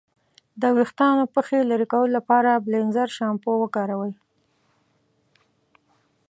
د ویښتانو پخې لرې کولو لپاره بیلینزر شامپو وکاروئ.